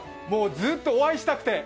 ずっとお会いしたくて。